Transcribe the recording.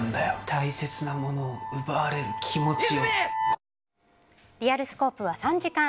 大切なものを奪われる気持ちを。